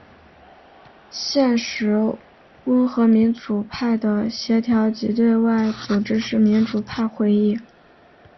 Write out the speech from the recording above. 现时温和民主派的协调及对外组织是民主派会议。